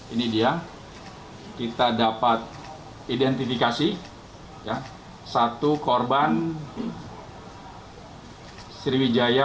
ini dia kita dapat identifikasi satu korban sriwijaya